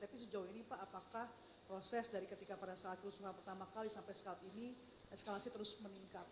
tapi sejauh ini pak apakah proses dari ketika pada saat kerusuhan pertama kali sampai saat ini eskalasi terus meningkat